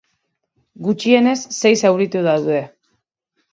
Gutxienez, sei zauritu daude.